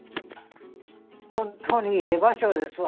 本当にええ場所ですわ。